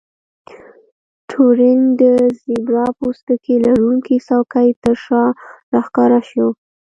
ټورینګ د زیبرا پوستکي لرونکې څوکۍ ترشا راښکاره شو